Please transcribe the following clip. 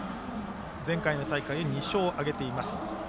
前回の大会で２勝挙げています。